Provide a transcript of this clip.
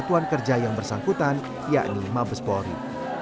satuan kerja yang bersangkutan yakni mabesbori